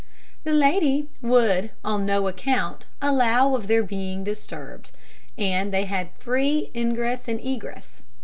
The lady would on no account allow of their being disturbed, and they had free ingress and egress.